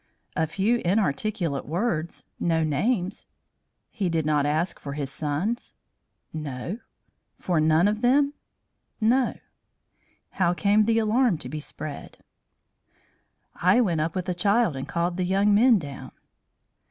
"A few inarticulate words, no names." "He did not ask for his sons?" "No." "For none of them?" "No." "How came the alarm to be spread?" "I went up with the child and called the young men down."